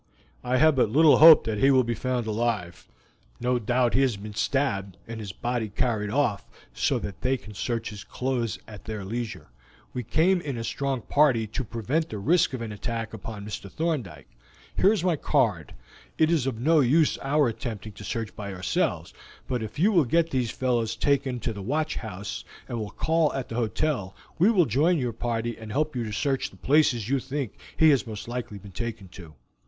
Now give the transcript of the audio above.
"I have but little hope that he will be found alive; no doubt he has been stabbed and his body carried off so that they can search his clothes at their leisure. We came in a strong party to prevent the risk of an attack upon Mr. Thorndyke. Here is my card. It is of no use our attempting to search by ourselves, but if you will get these fellows taken to the watch house, and will call at the hotel, we will join your party and help you to search the places you think he has most likely been taken to."